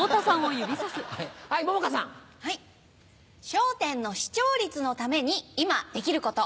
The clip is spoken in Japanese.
『笑点』の視聴率のために今できること。